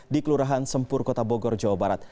di kelurahan sempur kota bogor jawa barat